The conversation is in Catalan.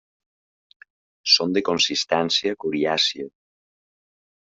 Són de consistència coriàcia.